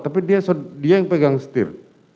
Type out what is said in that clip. tapi dia yang pegang setir